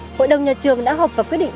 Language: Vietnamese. lúc vẫn còn trắng chưa đặt nắm